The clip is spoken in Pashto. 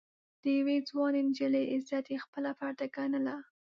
د يوې ځوانې نجلۍ عزت يې خپله پرده ګڼله.